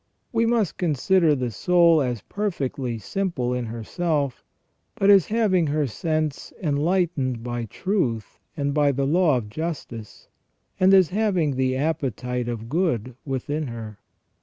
We must consider the soul as perfectly simple in herself, but as having her sense enlightened by truth and by the law of justice, and as having the appetite of good within her.